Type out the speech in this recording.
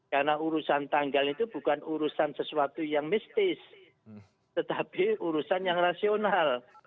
karena urusan tanggal itu bukan urusan sesuatu yang mistis tetapi urusan yang rasional